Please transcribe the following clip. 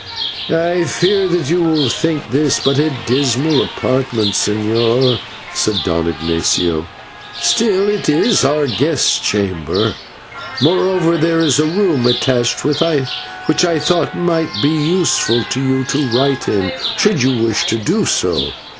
"I fear that you will think this but a dismal apartment, señor," said Don Ignatio, "still it is our guest chamber; moreover, there is a room attached which I thought might be useful to you to write in, should you wish to do so.